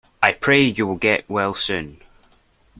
I pray you will get well soon.